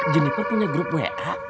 jeniper punya grup wa